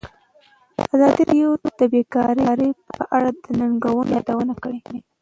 ازادي راډیو د بیکاري په اړه د ننګونو یادونه کړې.